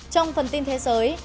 trong phần tin thế giới